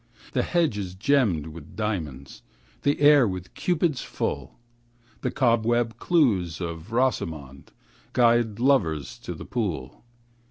The hedge is gemmed with diamonds, The air with Cupids full, The cobweb clues of Rosamond Guide lovers to the pool.